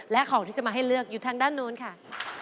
และของที่จะมาให้เลือกอยู่ทางด้านนู้นค่ะ